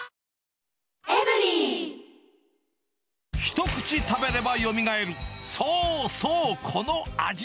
一口食べればよみがえる、そうそうこの味。